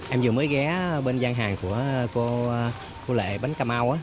em vừa mới ghé bên gian hàng của cô lệ bánh cà mau